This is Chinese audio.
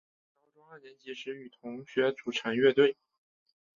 高中二年级时与同学组成乐队。